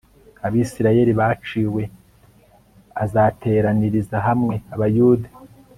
Abisirayeli baciwe azateraniriza hamwe Abayuda